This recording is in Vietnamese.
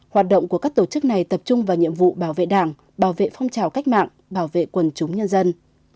hoạt động của các tổ chức này tập trung vào nhiệm vụ bảo vệ đảng bảo vệ phong trào cách mạng bảo vệ quần chúng nhân dân